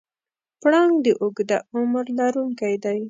پړانګ د اوږده عمر لرونکی دی.